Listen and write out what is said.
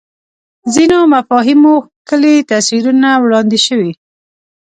ځینو مفاهیمو ښکلي تصویرونه وړاندې شوي